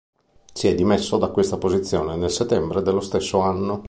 Si è dimesso da questa posizione nel settembre dello stesso anno.